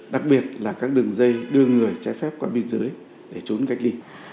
đặc biệt là các đường dây đưa người trái phép qua biên giới để trốn cách ly